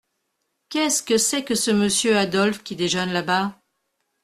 Qu’est-ce que c’est que ce Monsieur Adolphe qui déjeune là-bas ?